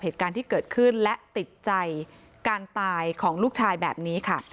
เหตุการณ์ที่เกิดขึ้นและติดใจการตายของลูกชายแบบนี้ค่ะ